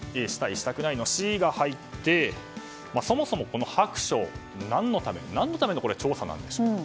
したくない？の「シ」が入ってそもそも、この白書は何のための調査なんでしょうか。